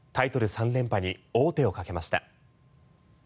３連覇に王手をかけました。